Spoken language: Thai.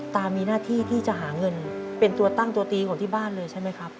ตามีหน้าที่ที่จะหาเงินเป็นตัวตั้งตัวตีของที่บ้านเลยใช่ไหมครับ